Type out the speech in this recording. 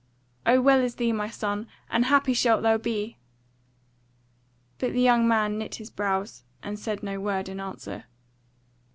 O well is thee, my son, and happy shalt thou be!" But the young man knit his brows and said no word in answer.